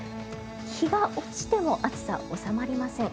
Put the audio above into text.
日が落ちても暑さは収まりません。